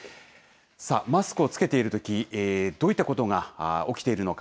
さあ、マスクを着けているとき、どういったことが起きているのか。